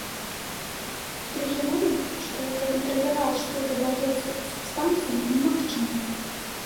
Другі момант, што пракантраляваць, што дадаецца ў субстанцыю, немагчыма.